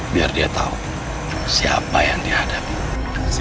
biar dia tahu siapa yang dihadapi